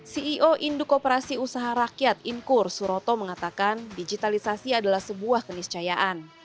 ceo indukoperasi usaha rakyat inkur suroto mengatakan digitalisasi adalah sebuah keniscayaan